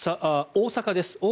大阪です。